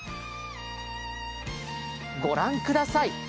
御覧ください。